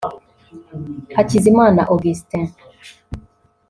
Hakizimana Augustin